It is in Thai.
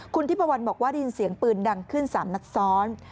คุณทิพวันบอกว่าได้ยินเสียงปืนดังขึ้น๓นัดซ้อน